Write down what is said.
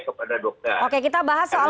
kepada dokter oke kita bahas soal